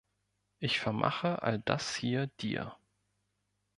Ich vermache all das hier dir.